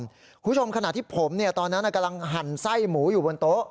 คุณผู้ชมขณะที่ผมตอนนั้นกำลังหั่นไส้หมูอยู่บนโต๊ะ